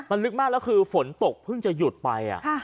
มันลึกมากแล้วคือฝนตกเพิ่งจะหยุดไป